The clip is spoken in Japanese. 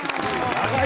長い！